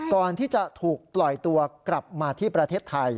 ก่อนที่จะถูกปล่อยตัวกลับมาที่ประเทศไทย